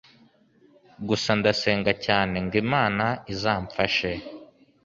Gusa ndasenga cyane ngo imana izamfashe